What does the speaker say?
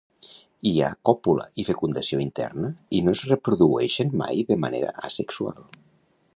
Hi ha còpula i fecundació interna i no es reproduïxen mai de manera asexual.